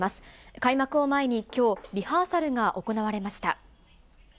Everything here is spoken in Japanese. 開幕を前にきょう、リハーサルが行われました。